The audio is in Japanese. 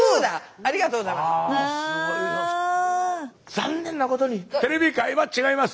残念なことにテレビ界は違います！